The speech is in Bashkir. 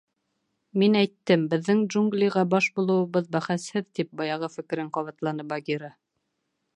— Мин әйттем: беҙҙең джунглиға баш булыуыбыҙ — бәхәсһеҙ, — тип баяғы фекерен ҡабатланы Багира.